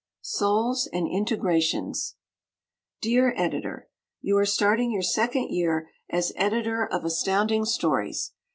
Souls and Integrations Dear Editor: You are starting your second year as Editor of Astounding Stories.